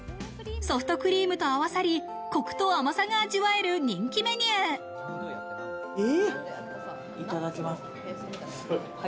ソフトクリームと合わさり、コクと甘さが味わえる人気メニュいただきます。